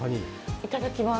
いただきます。